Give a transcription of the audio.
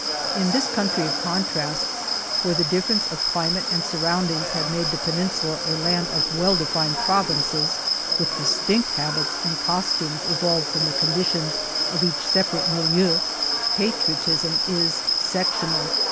In this country of contrasts, where the differ ences of climate and surroundings have made the peninsula a land of well defined provinces, with distinct habits and costumes evolved from the conditions of each separate milieu, patriotism is sectional.